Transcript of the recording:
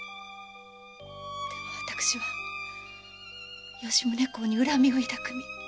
でも私は吉宗公に恨みを抱く身。